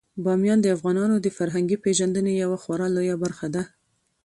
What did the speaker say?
بامیان د افغانانو د فرهنګي پیژندنې یوه خورا لویه برخه ده.